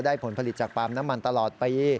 ผลผลิตจากปาล์มน้ำมันตลอดปี